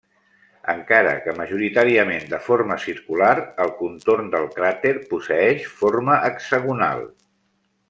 Encara que majoritàriament de forma circular, el contorn del cràter posseeix forma hexagonal.